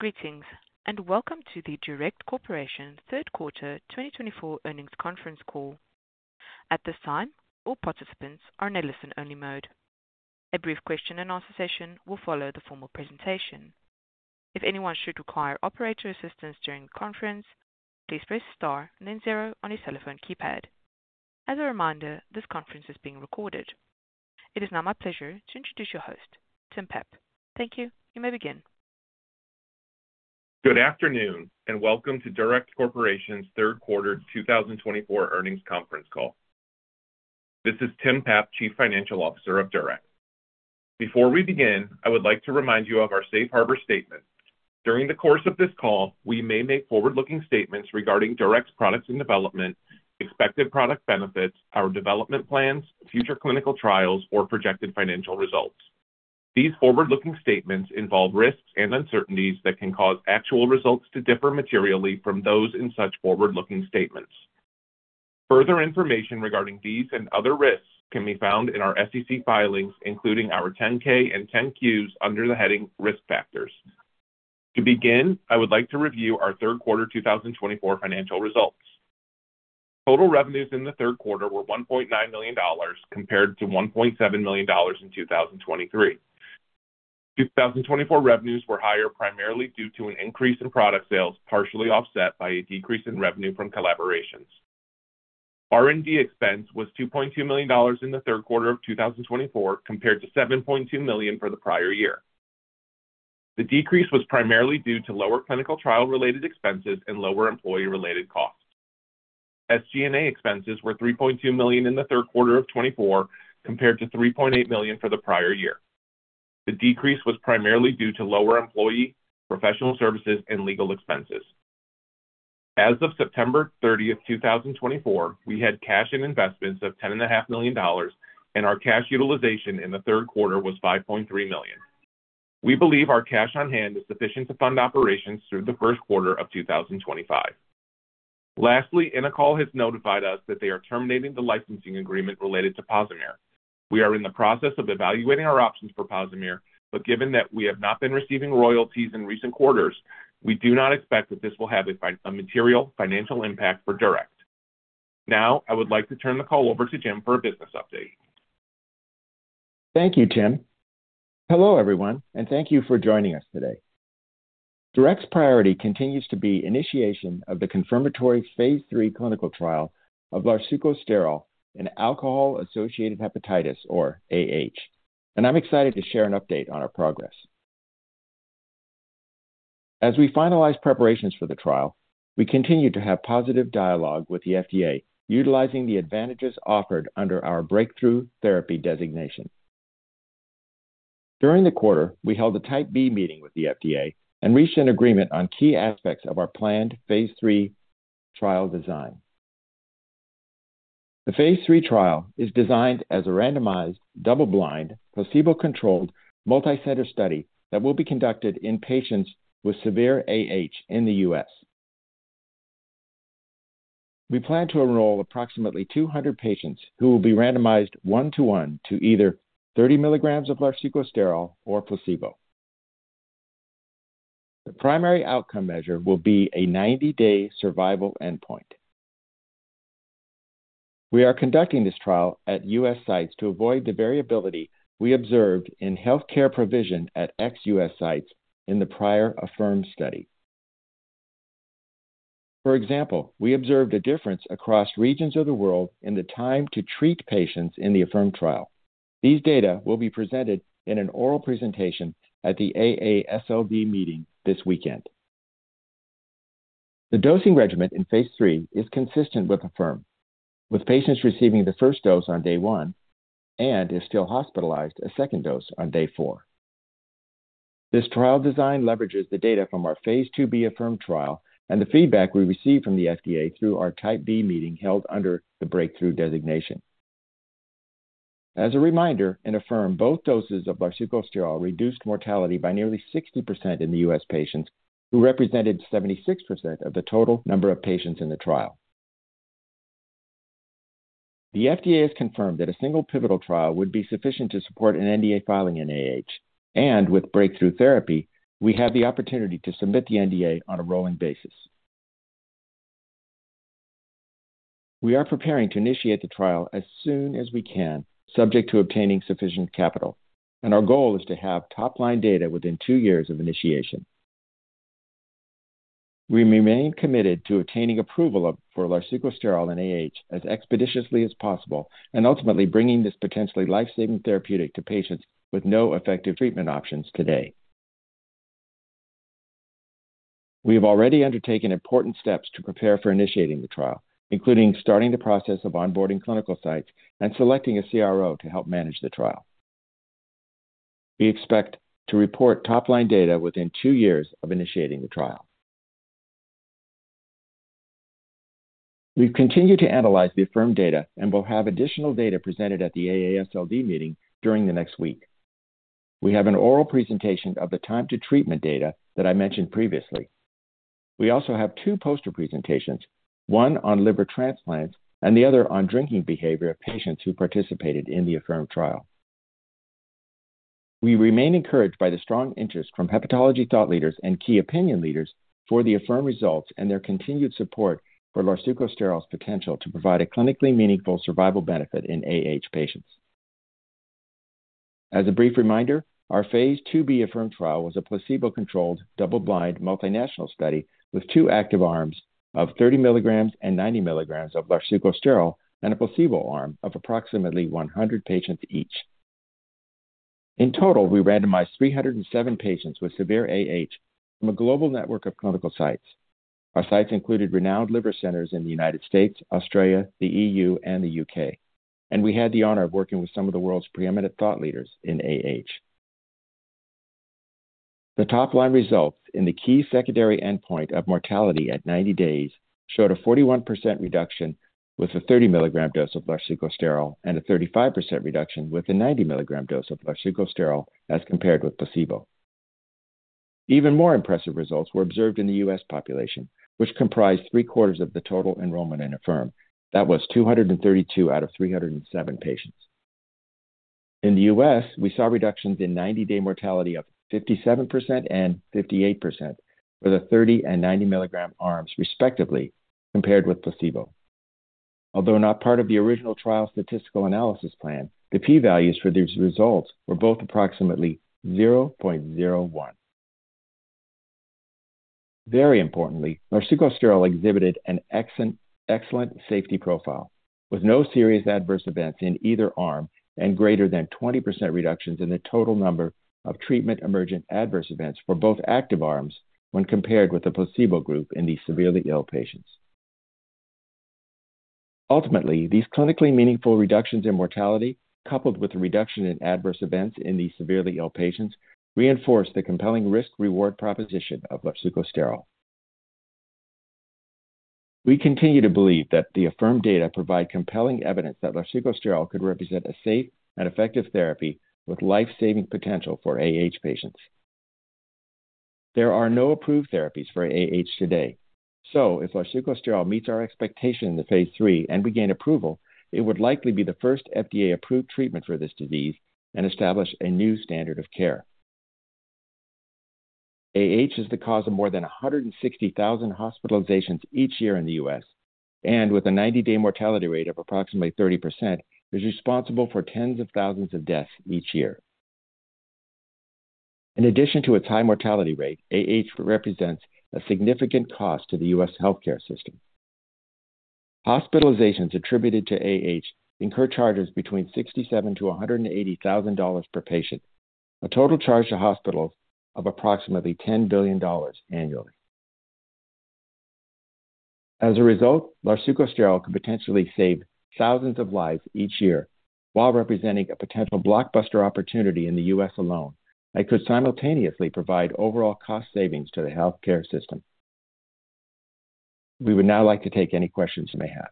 Greetings, and welcome to the DURECT Corporation Third Quarter 2024 Earnings Conference Call. At this time, all participants are in a listen-only mode. A brief question-and-answer session will follow the formal presentation. If anyone should require operator assistance during the conference, please press star and then zero on your telephone keypad. As a reminder, this conference is being recorded. It is now my pleasure to introduce your host, Tim Papp. Thank you. You may begin. Good afternoon, and welcome to DURECT Corporation's Third Quarter 2024 Earnings Conference Call. This is Tim Papp, Chief Financial Officer of DURECT. Before we begin, I would like to remind you of our Safe Harbor Statement. During the course of this call, we may make forward-looking statements regarding DURECT's products and development, expected product benefits, our development plans, future clinical trials, or projected financial results. These forward-looking statements involve risks and uncertainties that can cause actual results to differ materially from those in such forward-looking statements. Further information regarding these and other risks can be found in our SEC filings, including our 10-K and 10-Qs under the heading Risk Factors. To begin, I would like to review our Third Quarter 2024 financial results. Total revenues in the third quarter were $1.9 million compared to $1.7 million in 2023. 2024 revenues were higher primarily due to an increase in product sales, partially offset by a decrease in revenue from collaborations. R&D expense was $2.2 million in the third quarter of 2024 compared to $7.2 million for the prior year. The decrease was primarily due to lower clinical trial-related expenses and lower employee-related costs. SG&A expenses were $3.2 million in the third quarter of 2024 compared to $3.8 million for the prior year. The decrease was primarily due to lower employee, professional services, and legal expenses. As of September 30, 2024, we had cash and investments of $10.5 million, and our cash utilization in the third quarter was $5.3 million. We believe our cash on hand is sufficient to fund operations through the first quarter of 2025. Lastly, Innocoll has notified us that they are terminating the licensing agreement related to POSIMIR. We are in the process of evaluating our options for POSIMIR, but given that we have not been receiving royalties in recent quarters, we do not expect that this will have a material financial impact for DURECT. Now, I would like to turn the call over to Jim for a business update. Thank you, Tim. Hello, everyone, and thank you for joining us today. DURECT's priority continues to be initiation of the confirmatory phase III clinical trial of larsucosterol in alcohol-associated hepatitis, or AH, and I'm excited to share an update on our progress. As we finalize preparations for the trial, we continue to have positive dialogue with the FDA, utilizing the advantages offered under our Breakthrough Therapy designation. During the quarter, we held a Type B meeting with the FDA and reached an agreement on key aspects of our planned phase III trial design. The phase III trial is designed as a randomized, double-blind, placebo-controlled, multicenter study that will be conducted in patients with severe AH in the U.S. We plan to enroll approximately 200 patients who will be randomized one-to-one to either 30 milligrams of larsucosterol or placebo. The primary outcome measure will be a 90-day survival endpoint. We are conducting this trial at U.S. sites to avoid the variability we observed in healthcare provision at ex-U.S. sites in the prior AFIRM study. For example, we observed a difference across regions of the world in the time to treat patients in the AFIRM trial. These data will be presented in an oral presentation at the AASLD meeting this weekend. The dosing regimen in phase III is consistent with AFIRM, with patients receiving the first dose on day one and, if still hospitalized, a second dose on day four. This trial design leverages the data from our phase II-B AFIRM trial and the feedback we received from the FDA through our Type B meeting held under the Breakthrough designation. As a reminder, in AFIRM, both doses of larsucosterol reduced mortality by nearly 60% in the U.S. patients, who represented 76% of the total number of patients in the trial. The FDA has confirmed that a single pivotal trial would be sufficient to support an NDA filing, and with Breakthrough Therapy, we have the opportunity to submit the NDA on a rolling basis. We are preparing to initiate the trial as soon as we can, subject to obtaining sufficient capital, and our goal is to have top-line data within two years of initiation. We remain committed to obtaining approval for larsucosterol as expeditiously as possible and ultimately bringing this potentially lifesaving therapeutic to patients with no effective treatment options today. We have already undertaken important steps to prepare for initiating the trial, including starting the process of onboarding clinical sites and selecting a CRO to help manage the trial. We expect to report top-line data within two years of initiating the trial. We continue to analyze the AFIRM data and will have additional data presented at the AASLD meeting during the next week. We have an oral presentation of the time-to-treatment data that I mentioned previously. We also have two poster presentations, one on liver transplants and the other on drinking behavior of patients who participated in the AFIRM trial. We remain encouraged by the strong interest from hepatology thought leaders and key opinion leaders for the AFIRM results and their continued support for larsucosterol's potential to provide a clinically meaningful survival benefit in patients. As a brief reminder, our phase II-B AFIRM trial was a placebo-controlled, double-blind, multinational study with two active arms of 30 milligrams and 90 milligrams of larsucosterol and a placebo arm of approximately 100 patients each. In total, we randomized 307 patients with severe AH from a global network of clinical sites. Our sites included renowned liver centers in the United States, Australia, the E.U., and the U.K., and we had the honor of working with some of the world's preeminent thought leaders AH. The top-line results in the key secondary endpoint of mortality at 90 days showed a 41% reduction with a 30 mg dose of larsucosterol and a 35% reduction with a 90 mg dose of larsucosterol as compared with placebo. Even more impressive results were observed in the U.S. population, which comprised three-quarters of the total enrollment in AFIRM. That was 232 out of 307 patients. In the U.S., we saw reductions in 90-day mortality of 57% and 58% for the 30ml and 90 mg arms, respectively, compared with placebo. Although not part of the original trial statistical analysis plan, the p-values for these results were both approximately 0.01. Very importantly, larsucosterol exhibited an excellent safety profile, with no serious adverse events in either arm and greater than 20% reductions in the total number of treatment-emergent adverse events for both active arms when compared with the placebo group in the severely ill patients. Ultimately, these clinically meaningful reductions in mortality, coupled with the reduction in adverse events in the severely ill patients, reinforce the compelling risk-reward proposition of larsucosterol. We continue to believe that the AFIRM data provide compelling evidence that larsucosterol could represent a safe and effective therapy with lifesaving potential for patients. There are no approved therapies for today, so if larsucosterol meets our expectation in the phase III and we gain approval, it would likely be the first FDA-approved treatment for this disease and establish a new standard of care. AH is the cause of more than 160,000 hospitalizations each year in the U.S., and with a 90-day mortality rate of approximately 30%, is responsible for tens of thousands of deaths each year. In addition to its high mortality rate, AH represents a significant cost to the U.S. healthcare system. Hospitalizations attributed to incur charges between $67,000-$180,000 per patient, a total charge to hospitals of approximately $10 billion annually. As a result, larsucosterol could potentially save thousands of lives each year while representing a potential blockbuster opportunity in the U.S. alone that could simultaneously provide overall cost savings to the healthcare system. We would now like to take any questions you may have.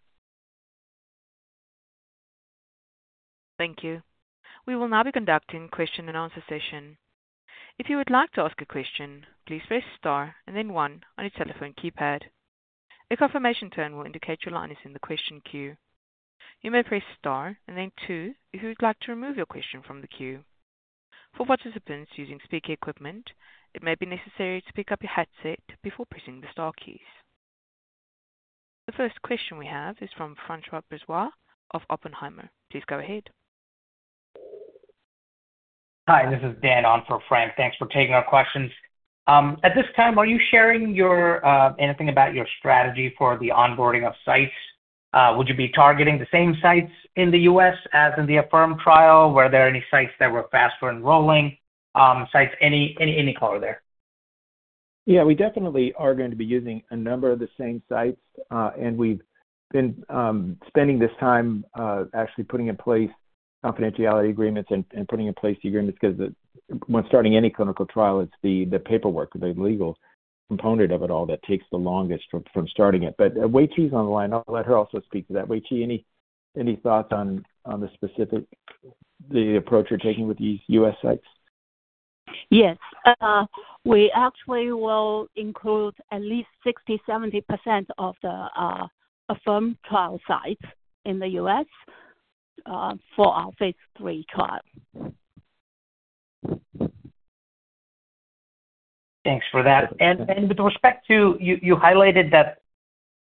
Thank you. We will now be conducting question-and-answer session. If you would like to ask a question, please press star and then one on your telephone keypad. A confirmation tone will indicate your line is in the question queue. You may press star and then two if you would like to remove your question from the queue. For participants using speaker equipment, it may be necessary to pick up your headset before pressing the star keys. The first question we have is from François Brisebois of Oppenheimer. Please go ahead. Hi, this is Dan on for Frank. Thanks for taking our questions. At this time, are you sharing anything about your strategy for the onboarding of sites? Would you be targeting the same sites in the U.S. as in the AFIRM trial? Were there any sites that were faster enrolling? Sites, any color there? Yeah, we definitely are going to be using a number of the same sites, and we've been spending this time actually putting in place confidentiality agreements and putting in place the agreements because when starting any clinical trial, it's the paperwork, the legal component of it all that takes the longest from starting it. But WeiQi is on the line. I'll let her also speak to that. WeiQi, any thoughts on the specific approach you're taking with these U.S. sites? Yes. We actually will include at least 60%-70% of the AFIRM trial sites in the U.S. for our phase III trial. Thanks for that. And with respect to you highlighted that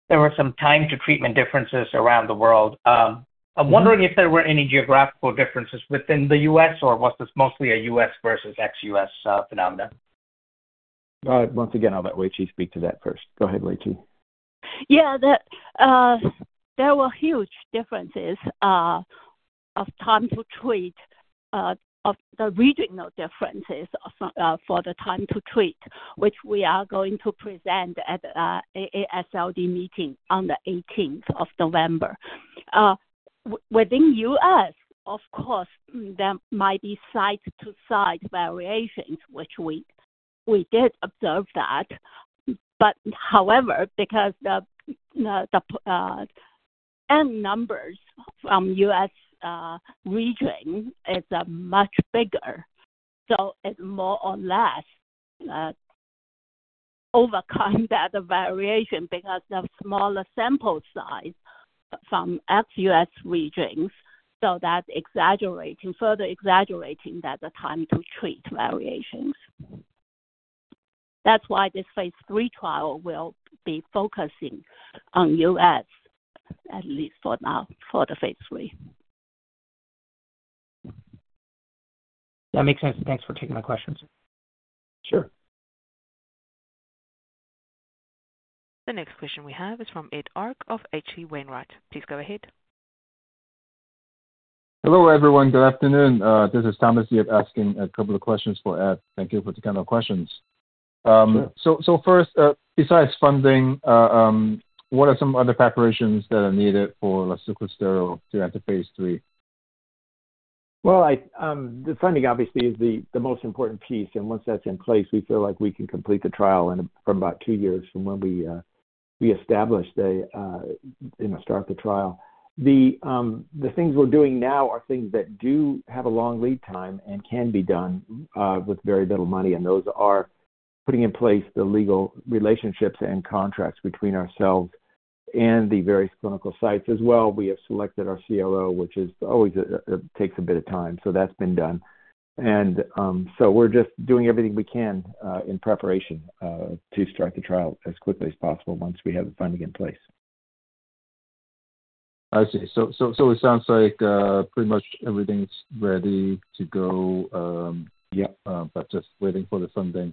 there were some time-to-treatment differences around the world. I'm wondering if there were any geographical differences within the U.S., or was this mostly a U.S. versus ex-U.S. phenomena? Once again, I'll let WeiQi speak to that first. Go ahead, WeiQi. Yeah, there were huge differences of time-to-treat, of the regional differences for the time-to-treat, which we are going to present at the AASLD meeting on the 18th of November. Within U.S., of course, there might be site-to-site variations, which we did observe that. But however, because the end numbers from U.S. region is much bigger, so it more or less overcomes that variation because of smaller sample size from ex-U.S. regions, so that further exaggerating that time-to-treat variations. That's why this phase III trial will be focusing on U.S., at least for now, for the phase III. That makes sense. Thanks for taking my questions. Sure. The next question we have is from Ed Arce of H.C. Wainwright. Please go ahead. Hello, everyone. Good afternoon. This is Thomas. I'm asking a couple of questions for Ed. Thank you for taking our questions. So first, besides funding, what are some other preparations that are needed for larsucosterol to enter phase III? The funding, obviously, is the most important piece, and once that's in place, we feel like we can complete the trial from about two years from when we established and start the trial. The things we're doing now are things that do have a long lead time and can be done with very little money, and those are putting in place the legal relationships and contracts between ourselves and the various clinical sites as well. We have selected our CRO, which always takes a bit of time, so that's been done. We're just doing everything we can in preparation to start the trial as quickly as possible once we have the funding in place. I see. So it sounds like pretty much everything's ready to go, but just waiting for the funding.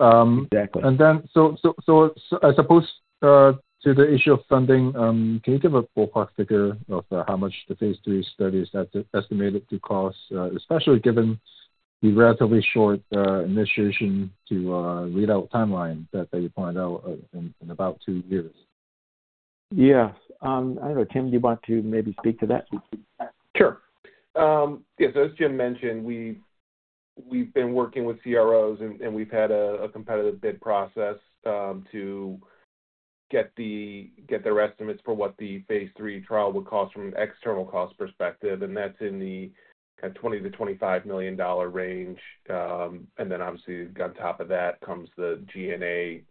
Exactly. I suppose to the issue of funding, can you give a ballpark figure of how much the phase III study is estimated to cost, especially given the relatively short initiation to read-out timeline that you pointed out in about two years? Yeah. I don't know. Tim, do you want to maybe speak to that? Sure. Yeah, so as Jim mentioned, we've been working with CROs, and we've had a competitive bid process to get their estimates for what the phase III trial would cost from an external cost perspective, and that's in the $20 million-$25 million range. And then, obviously, on top of that comes the G&A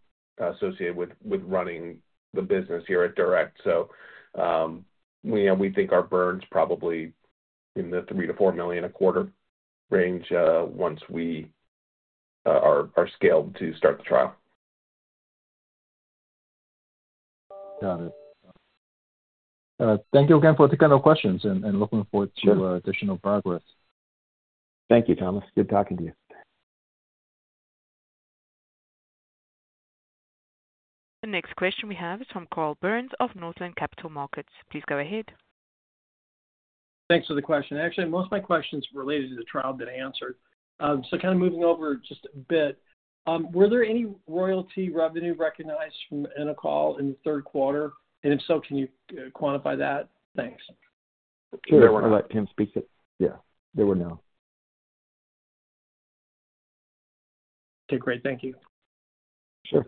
associated with running the business here at DURECT. So we think our burn's probably in the $3 million-$4 million a quarter range once we are scaled to start the trial. Got it. Thank you again for taking our questions and looking forward to additional progress. Thank you, Thomas. Good talking to you. The next question we have is from Carl Byrnes of Northland Capital Markets. Please go ahead. Thanks for the question. Actually, most of my questions related to the trial that I answered. So kind of moving over just a bit, were there any royalty revenue recognized from Innocoll in the third quarter? And if so, can you quantify that? Thanks. Sure. I'll let Tim speak to it. Yeah, there were none. Okay, great. Thank you. Sure.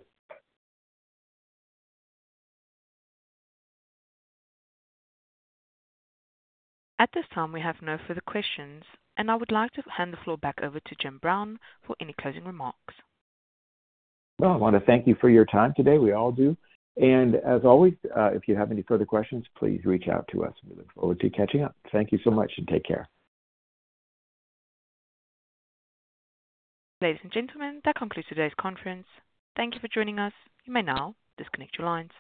At this time, we have no further questions, and I would like to hand the floor back over to Jim Brown for any closing remarks. I want to thank you for your time today. We all do. As always, if you have any further questions, please reach out to us. We look forward to catching up. Thank you so much and take care. Ladies and gentlemen, that concludes today's conference. Thank you for joining us. You may now disconnect your lines.